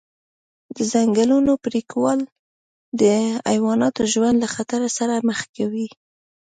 د ځنګلونو پرېکول د حیواناتو ژوند له خطر سره مخ کوي.